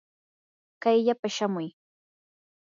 kayllapa shamuy.